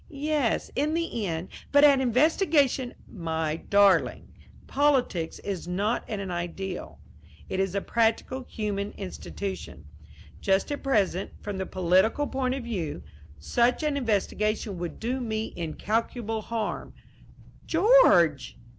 "Yes, in the end; but an investigation " "My darling, politics is not an ideal; it is a practical human institution. Just at present, from the political point of view, such an investigation would do me incalculable harm." "George!"